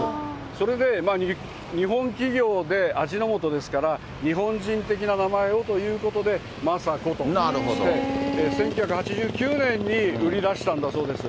それで日本企業で味の素ですから、日本人的な名前をということで、マサコとして、１９８９年に売り出したんだそうです。